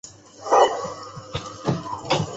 授签书建康军节度判官。